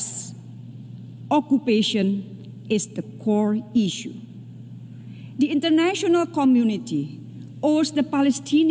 komunitas internasional memiliki orang orang palestina